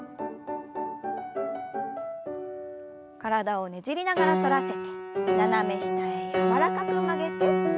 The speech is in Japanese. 体をねじりながら反らせて斜め下へ柔らかく曲げて。